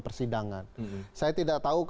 persidangan saya tidak tahu